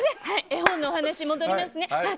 絵本のお話戻りますね。